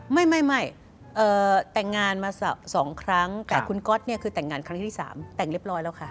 ไม่แต่งงานมา๒ครั้งแต่คุณก๊อตเนี่ยคือแต่งงานครั้งที่๓แต่งเรียบร้อยแล้วค่ะ